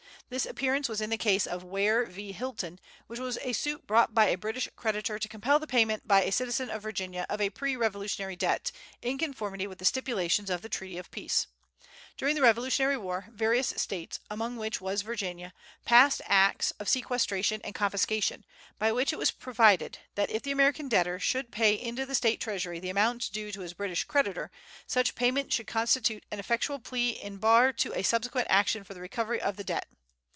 This appearance was in the case of Ware v. Hylton, which was a suit brought by a British creditor to compel the payment by a citizen of Virginia of a pre Revolutionary debt, in conformity with the stipulations of the treaty of peace. During the Revolutionary War various States, among which was Virginia, passed acts of sequestration and confiscation, by which it was provided that, if the American debtor should pay into the State treasury the amount due to his British creditor, such payment should constitute an effectual plea in bar to a subsequent action for the recovery of the debt.